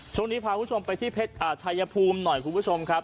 ช่วงนี้พาคุณผู้ชมไปที่เพชรชายภูมิหน่อยคุณผู้ชมครับ